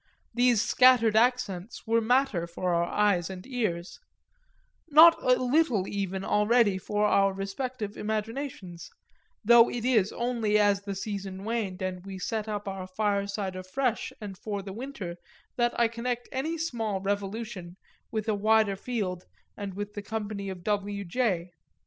These scattered accents were matter for our eyes and ears not a little even already for our respective imaginations; though it is only as the season waned and we set up our fireside afresh and for the winter that I connect my small revolution with a wider field and with the company of W. J.